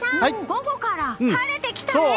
午後から晴れてきたね！